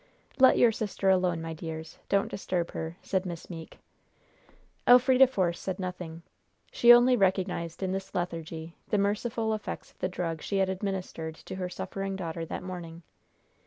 "Let your sister alone, my dears. Don't disturb her," said Miss Meeke. Elfrida Force said nothing. She only recognized in this lethargy the merciful effects of the drug she had administered to her suffering daughter that morning.